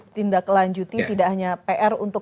ditindaklanjuti tidak hanya pr untuk